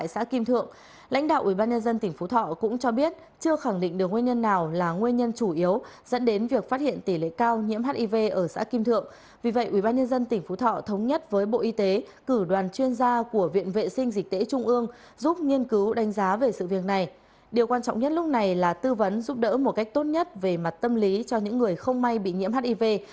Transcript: xin kính chào tạm biệt